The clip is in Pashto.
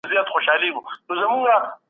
د مغولو کړني وروسته محلي حاکمانو تعقيبولې.